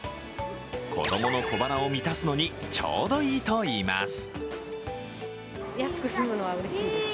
子供の小腹を満たすのに、ちょうどいいと言います。